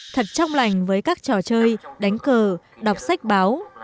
thật trong lành với các trò chơi đánh cờ đọc sách báo